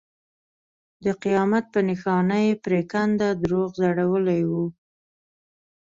د قیامت په نښانه یې پرېکنده دروغ ځړولي وو.